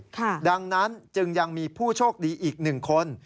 ค่ะดังนั้นจึงยังมีผู้โชคดีอีก๑คน